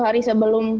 tujuh hari sebelum